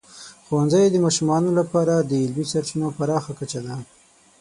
ښوونځی د ماشومانو لپاره د علمي سرچینو پراخه کچه ده.